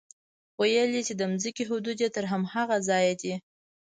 ويل يې چې د ځمکې حدود يې تر هماغه ځايه دي.